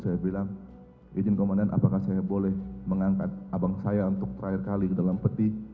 saya bilang izin komandan apakah saya boleh mengangkat abang saya untuk terakhir kali ke dalam peti